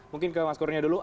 mungkin ke mas kurnia dulu